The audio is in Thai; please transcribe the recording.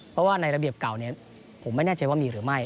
เพราะว่าในระเบียบเก่าผมไม่แน่ใจว่ามีหรือไม่